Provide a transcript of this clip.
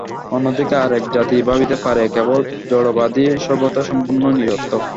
অন্যদিকে আর এক জাতি ভাবিতে পারে, কেবল জড়বাদী সভ্যতা সম্পূর্ণ নিরর্থক।